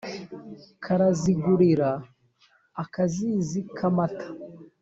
Karazigurira-Akazizi k'amata.